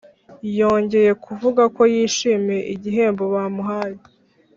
Yongeye kuvuga ko yishimiye igihembo bamuhaye